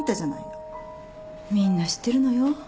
みんな知ってるのよ